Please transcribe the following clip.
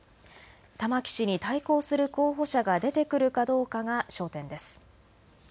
玉木氏に対抗する候補者が出てくるかどうかが焦点です。